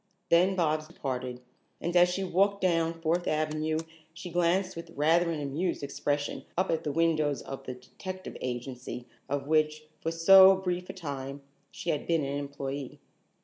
Then Bobs departed, and as she walked down Fourth Avenue she glanced with rather an amused expression up at the windows of the Detective Agency of which, for so brief a time, she had been an employee.